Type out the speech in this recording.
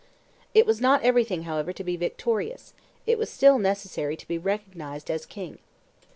It was not everything, however, to be victorious, it was still necessary to be recognized as king.